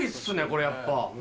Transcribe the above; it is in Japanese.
これやっぱ。